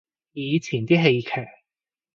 以前啲戲劇